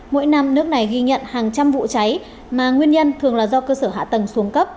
mỗi năm nước này ghi nhận hàng trăm vụ cháy mà nguyên nhân thường là do cơ sở hạ tầng xuống cấp